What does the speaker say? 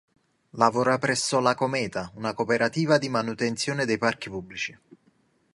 Lavora presso "La Cometa", una cooperativa di manutenzione di parchi pubblici.